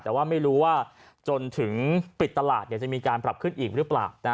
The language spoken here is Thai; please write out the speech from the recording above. แต่ว่าไม่รู้ว่าจนถึงปิดตลาดจะมีการปรับขึ้นอีกหรือเปล่า